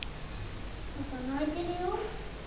パパ泣いてるよ。